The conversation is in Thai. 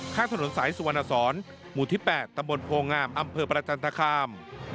ข้างถนนสายสุวรรณสอนหมู่ที่๘ตำบลโพงามอำเภอประจันทคาม